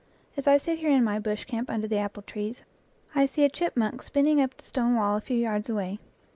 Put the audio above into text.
As I sit here in my bush camp under the apple trees, I see a chipmunk spin ning up the stone wall a few yards away.